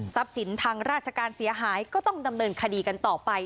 สินทางราชการเสียหายก็ต้องดำเนินคดีกันต่อไป